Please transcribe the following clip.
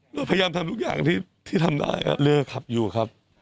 เราพยายามทำทุกอย่างที่ทำได้ครับ